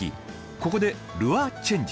ここでルアーチェンジ。